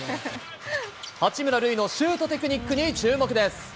八村塁のシュートテクニックに注目です。